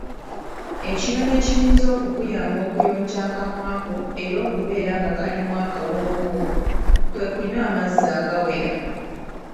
Ekirala ekiyinza okukuyamba okuyonja akamwa ko era okubeera nga kalimu akawoowo, kwe kunywa amazzi agawera